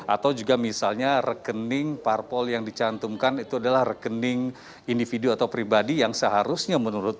atau juga misalnya rekening parpol yang dicantumkan itu adalah rekening individu atau pribadi yang seharusnya menurut